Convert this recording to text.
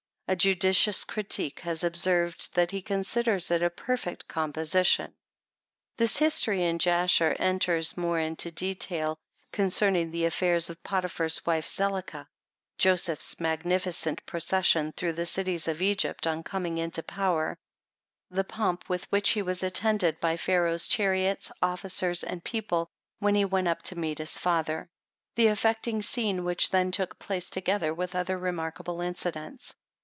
A judicious critic has observed, that he considers it a perfect composition. This history, in Jasher, enters more into detail concerning the affairs of Potiphar's wife, Zelicah ; Joseph's magnificent procession through the cities of Egypty on coming into power ; the pomp with which he was attended by Pharaoh's chariots, officers, and people, when he went up to meet his father ; the XIV TRANSLATOR'S PREFACE. affecting scene which then took place, together with other remarkable incidents.